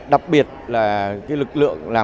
đặc biệt là cái lực lượng làm